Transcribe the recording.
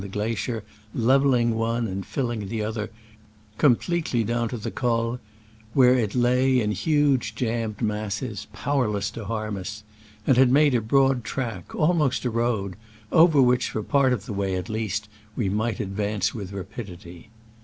the glacier (leveling one and filling the other), completely down to the col, where it lay in huge jammed masses, powerless to harm us ; and had made a broad track, almost a road, over which, for part of the way at least, we might advance with rapidity.